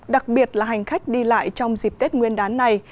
đặc biệt là hành khách đi lại trong dịp tết nguyên đán này